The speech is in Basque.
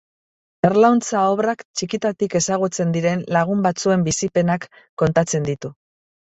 Erlauntza obrak txikitatik ezagutzen diren lagun batzuen bizipenak kontatzen ditu.